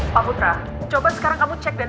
pak putra coba sekarang kamu cek dan